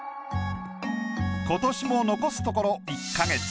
今年も残すところ１か月。